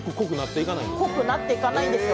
濃くなっていかないんですよ。